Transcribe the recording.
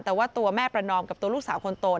แต่ว่าตัวแม่ประนอมกับตัวลูกสาวคนโต